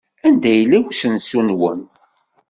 Anda yella usensu-nwen?